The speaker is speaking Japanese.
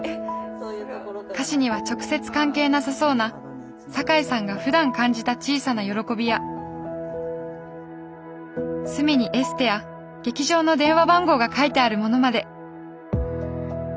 歌詞には直接関係なさそうな坂井さんがふだん感じた小さな喜びや隅にエステや劇場の電話番号が書いてあるものまで！